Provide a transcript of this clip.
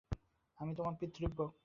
আমি তোমার পিতৃব্য।